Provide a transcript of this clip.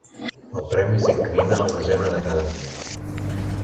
El premi es dictamina al desembre de cada any.